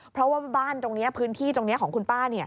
เพราะว่าบ้านตรงนี้พื้นที่ตรงนี้ของคุณป้า